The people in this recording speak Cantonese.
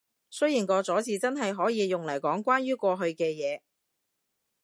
雖然個咗字真係可以用嚟講關於過去嘅嘢